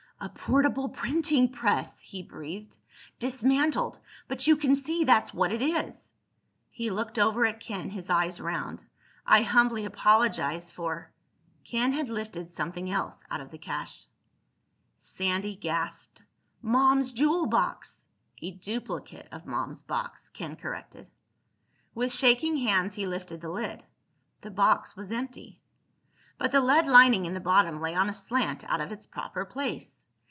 "A portable printing press!" he breathed. "Dismantled—but you can see that's what it is!" He looked over at Ken, his eyes round. "I humbly apologize for—" Ken had lifted something else out of the cache. Sandy gasped. "Mom's jewel box!" "A duplicate of Mom's box," Ken corrected. With shaking hands he lifted the lid. The box was empty. But the lead lining in the bottom lay on a slant out of its proper place.